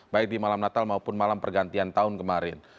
baik di malam natal maupun malam pergantian tahun kemarin